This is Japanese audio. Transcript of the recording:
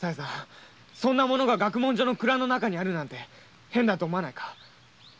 学問所の蔵の中にあるなんて変だと思わないか。